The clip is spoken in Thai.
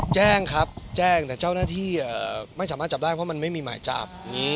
แจ้งครับแจ้งแต่เจ้าหน้าที่ไม่สามารถจับได้เพราะมันไม่มีหมายจับ